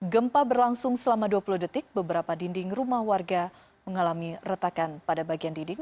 gempa berlangsung selama dua puluh detik beberapa dinding rumah warga mengalami retakan pada bagian dinding